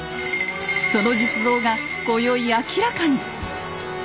その実像が今宵明らかに！